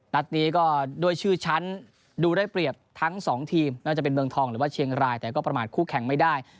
นัดนี้ก็ด้วยชื่อชั้นดูได้เปรียบทั้งสองทีมไม่ว่าจะเป็นเมืองทองหรือว่าเชียงรายแต่ก็ประมาทคู่แข่งไม่ได้